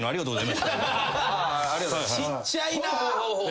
ちっちゃいな。